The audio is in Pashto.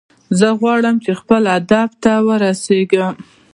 زه غواړم چې خپل هدف ته ورسیږم